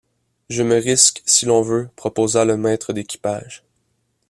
Je me risque, si l’on veut, proposa le maître d’équipage.